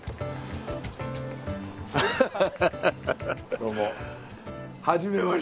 どうも。